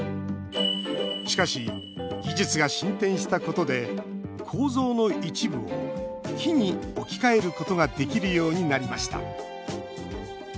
しかし、技術が進展したことで構造の一部を木に置き換えることができるようになりました。